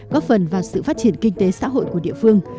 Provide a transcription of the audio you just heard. góp phần vào sự phát triển kinh tế xã hội của địa phương